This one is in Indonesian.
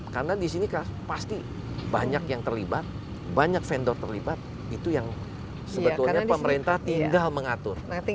karena disini kan pasti banyak yang terlibat banyak vendor terlibat itu yang sebetulnya pemerintah tinggal mengatur